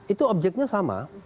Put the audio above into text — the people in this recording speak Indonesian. itu objeknya sama